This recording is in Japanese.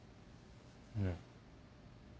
うん。